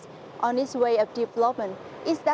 để nhìn thấy hà nội và việt nam như một thứ khác nhau